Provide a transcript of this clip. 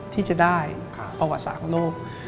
ที่จะได้ประวัติศาสตร์ของโลก